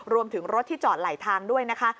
รวมถึงรถที่จอดไหลทางด้วยนะคะ